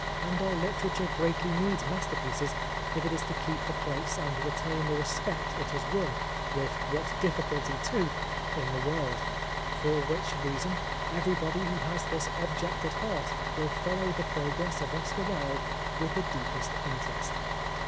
And our literature greatly needs masterpieces if it is to keep the place and retain the respect it has won (with what difficulty, too !) in the world. For which reason everybody who has this object at heart will follow the progress of Oscar Wilde with the deepest interest.